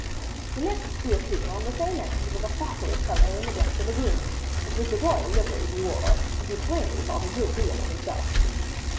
The next to appear on the same errand was a fat old fellow in the dress of a groom: it was the royal livery he wore, and he plainly thought a good deal of himself.